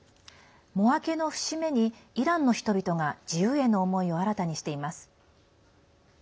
喪明けの節目に、イランの人々が自由への思いを新たにしています。